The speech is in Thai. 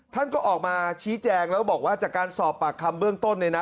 ท่านก็ออกมาชี้แจงแล้วบอกว่าจากการสอบปากคำเบื้องต้นเนี่ยนะ